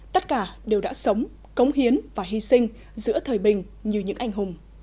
tất cả đều đã sống cống hiến và hy sinh giữa thời bình như những anh hùng